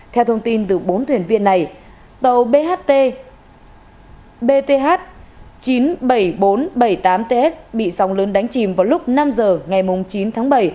theo thông tin từ bốn thuyền viên này tàu bht bth chín mươi bảy nghìn bốn trăm bảy mươi tám ts bị sóng lớn đánh chìm vào lúc năm giờ ngày chín tháng bảy